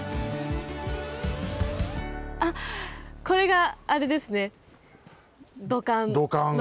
あっこれがあれですね土管の。